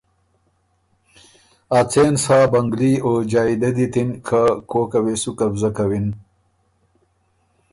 ا څېن سا بنګلي او جائددي ت اِن که کوکه وې سو قبضۀ کوِن۔